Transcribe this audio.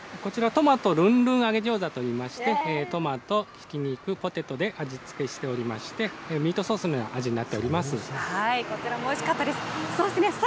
こちら、トマトるんるん揚げ餃子といいまして、トマト、ひき肉、ポテトで味付けしておりまして、ミートソースのような味になこちらもおいしかったです。